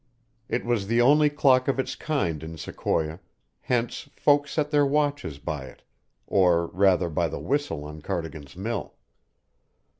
It was the only clock of its kind in Sequoia; hence folk set their watches by it, or rather by the whistle on Cardigan's mill.